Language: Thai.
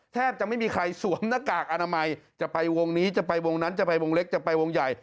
แทบจะไม่มีใครสวมหน้ากากอนามัยจะไปวงนี้จะไปวงนั้นจะไปวงเล็กจะไปวงใหญ่